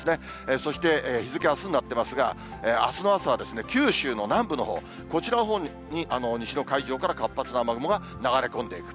そして日付はあすになってますが、あすの朝は九州の南部のほう、こちらのほうに西の海上から活発な雨雲が流れ込んでいく。